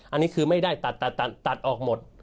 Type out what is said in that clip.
อันนี้คือไม่ได้ตัดตัดออกหมด